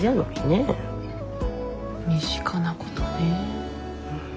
身近なことね。